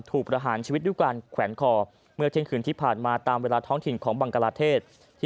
ประหารชีวิตด้วยการแขวนคอเมื่อเที่ยงคืนที่ผ่านมาตามเวลาท้องถิ่นของบังกลาเทศ